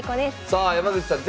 さあ山口さん